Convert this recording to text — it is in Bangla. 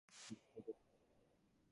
ঠিক আছে যেতে হবে না।